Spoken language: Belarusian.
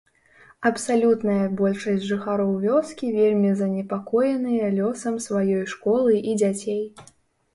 Абсалютная большасць жыхароў вёскі вельмі занепакоеныя лёсам сваёй школы і дзяцей.